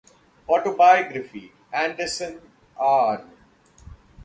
Autobiography: Anderson, Arn.